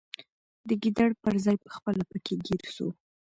د ګیدړ پر ځای پخپله پکښي ګیر سو